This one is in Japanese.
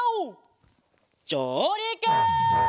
じょうりく！